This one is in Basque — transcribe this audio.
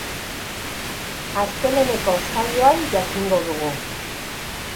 Asteleheneko saioan jakingo dugu.